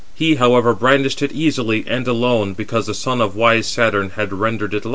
He, however, brandished it easily and alone, because the son of wise Saturn had rendered it light to him.